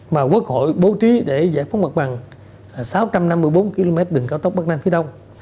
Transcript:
mà quốc hội bố trí để giải phóng mặt bằng sáu trăm năm mươi bốn km đường cao tốc bắc nam phía đông